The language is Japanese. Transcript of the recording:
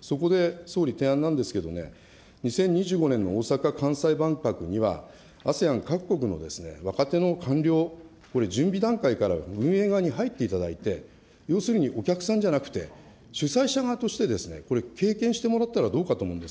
そこで総理、提案なんですけどね、２０２５年の大阪・関西万博にはＡＳＥＡＮ各国の若手の官僚、これ、準備段階から運営側に入っていただいて、要するにお客さんじゃなくて、主催者側として、これ、経験してもらったらどうかと思うんです。